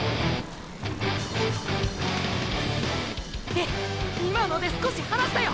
い今ので少し離したよ！！